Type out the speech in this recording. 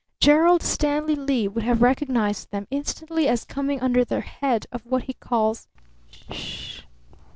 Gerald Stanley Lee would have recognized them instantly as coming under the head of what he calls Sh!